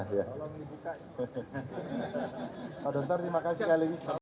pak dokter terima kasih sekali lagi